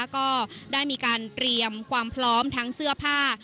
ก็ได้มีการเตรียมความพร้อมทั้งเสื้อผ้า